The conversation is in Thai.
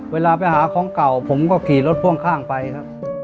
เวลาไปหาของเก่าผมก็ขี่รถพ่วงข้างไปครับ